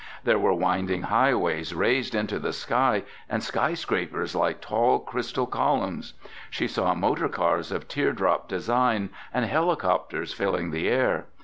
There were winding highways raised into the sky and skyscrapers like tall crystal columns. She saw motorcars of tear drop design and helicopters filling the air.